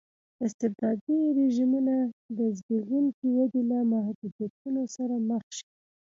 استبدادي رژیمونه د زبېښونکې ودې له محدودیتونو سره مخ شي.